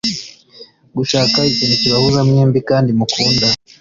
gushaka ikintu kibahuza mwembi kandi mukunda